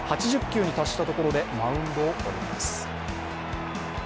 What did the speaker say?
８０球に達したところでマウンドを降ります。